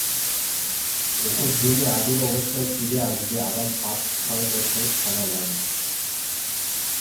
এসব জমি আগের অবস্থায় ফিরে আসতে আবার পাঁচ-ছয় বছর সময় লাগে।